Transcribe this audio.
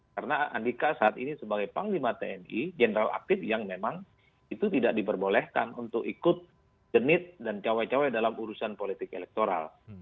karena andika saat ini sebagai panglima tni general aktif yang memang itu tidak diperbolehkan untuk ikut jenit dan cowok cowok dalam urusan politik elektoral